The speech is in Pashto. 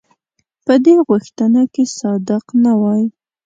په دې غوښتنه کې صادق نه وای.